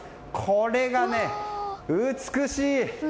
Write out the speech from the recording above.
これが、美しい。